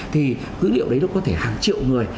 thì dữ liệu đấy nó có thể hàng triệu người